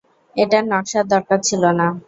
এটার নকশার দরকার ছিল না।